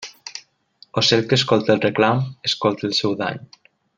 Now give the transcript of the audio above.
Ocell que escolta el reclam escolta el seu dany.